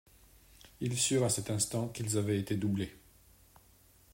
Ils surent à cet instant qu’ils avaient été doublés.